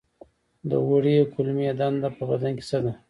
د وړې کولمې دنده په بدن کې څه ده